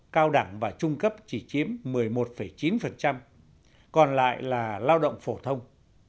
cao đẳng và trung cấp chỉ chiếm một mươi một chín còn lại là lao động phổ thông